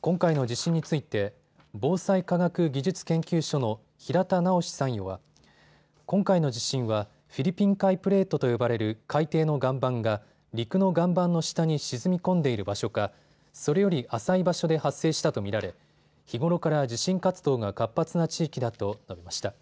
今回の地震について防災科学技術研究所の平田直参与は今回の地震はフィリピン海プレートと呼ばれる海底の岩盤が陸の岩盤の下に沈み込んでいる場所かそれより浅い場所で発生したと見られ日頃から地震活動が活発な地域だと述べました。